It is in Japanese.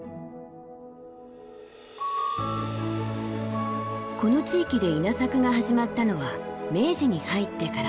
この地域で稲作が始まったのは明治に入ってから。